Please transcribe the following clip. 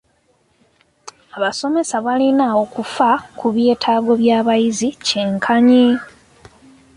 Abasomesa balina okufa ku byetaago by'abayizi kyenkanyi.